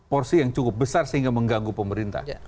porsi yang cukup besar sehingga mengganggu pemerintah